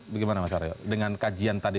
bagaimana mas arya dengan kajian tadi